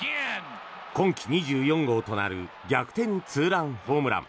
今季２４号となる逆転ツーランホームラン。